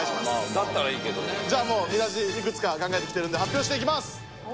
だったらいいけど。じゃあもう見出しいくつか考えてきてるんで発表していきます。